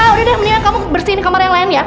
ya udah deh mendingan kamu bersihin kamar yang lain ya